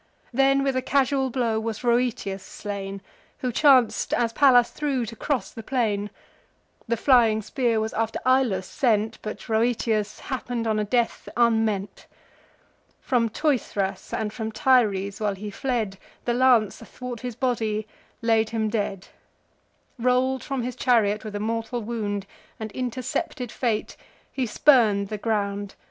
Then, with a casual blow was Rhoeteus slain, Who chanc'd, as Pallas threw, to cross the plain: The flying spear was after Ilus sent; But Rhoeteus happen'd on a death unmeant: From Teuthras and from Tyres while he fled, The lance, athwart his body, laid him dead: Roll'd from his chariot with a mortal wound, And intercepted fate, he spurn'd the ground.